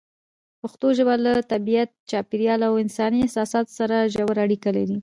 پښتو ژبه له طبیعت، چاپېریال او انساني احساساتو سره ژوره اړیکه لري.